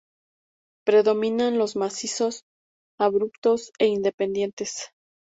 Predominan los macizos abruptos e independientes.